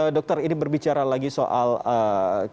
nah dokter ini berbicara lagi soal pemerintah itu yang ada